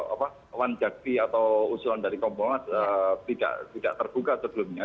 apa wanjakti atau usulan dari kompolnas tidak terbuka sebelumnya